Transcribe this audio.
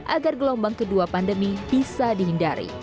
agar gelombang kedua pandemi bisa dihindari